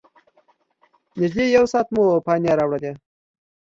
نږدې یو ساعت مو پانې واړولې.